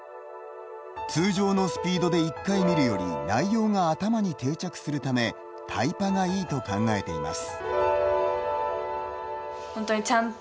通常のスピードで１回見るより内容が頭に定着するためタイパがいいと考えています。